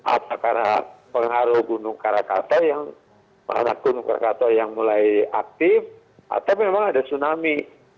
apakah karena pengaruh gunung karakato yang mulai aktif atau memang ada tsunami